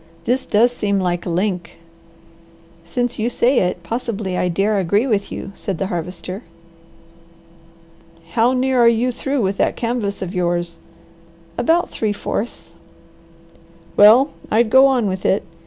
This does seem like a link." "Since you say it, possibly I dare agree with you," said the Harvester. "How near are you through with that canvass of yours?" "About three fourths." "Well I'd go on with it.